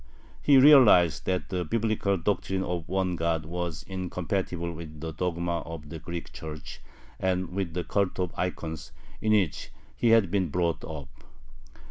He realized that the Biblical doctrine of one God was incompatible with the dogmas of the Greek Church and with the cult of ikons, in which he had been brought up.